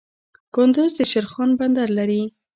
کندز د شیرخان بندر لري